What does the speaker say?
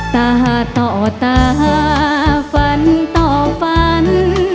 ตาต่อตาฝันต่อฝัน